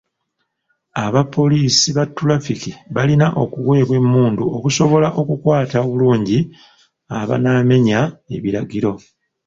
Abapoliisi ba tulafiki balina okuweebwa emmundu okusobola okukwata obulungi abanaamenya ebiragiro.